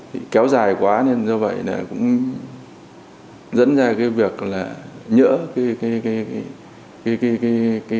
thì kéo dài quá nên do vậy là cũng dẫn ra cái việc là nhỡ cái